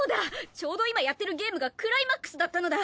ちょうど今やってるゲームがクライマックスだったのだ！